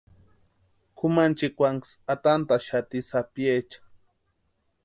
Kʼumanchikwanksï atantaxati sapiecha.